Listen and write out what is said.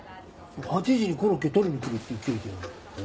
８時にコロッケ取りに来るって言っといてよ。